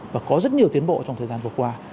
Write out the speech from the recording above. và có rất nhiều tiến bộ trong thời gian vừa qua